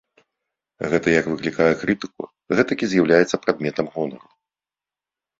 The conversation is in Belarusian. Гэта як выклікае крытыку, гэтак і з'яўляецца прадметам гонару.